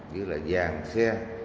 như là vàng xe